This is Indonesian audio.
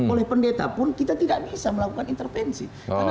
oleh pendeta pun kita tidak bisa melakukan intervensi